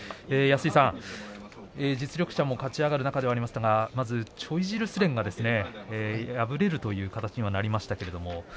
実力者が勝ち上がる中ではありましたがチョイジルスレンが敗れるという形になりました。